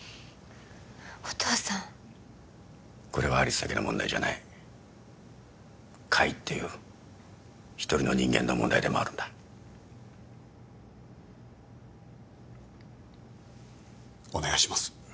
お父さんこれは有栖だけの問題じゃない海っていう一人の人間の問題でもあるんだお願いします